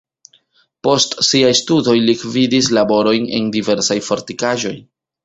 Post siaj studoj li gvidis laborojn en diversaj fortikaĵoj.